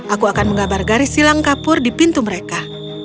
aku akan menggabar garis silang kapur di pintu mereka